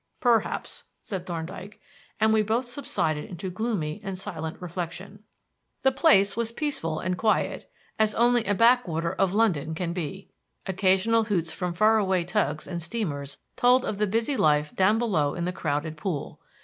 "Perhaps," said Thorndyke; and we both subsided into gloomy and silent reflection. The place was peaceful and quiet, as only a backwater of London can be. Occasional hoots from far away tugs and steamers told of the busy life down below in the crowded Pool.